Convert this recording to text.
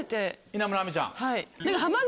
稲村亜美ちゃん。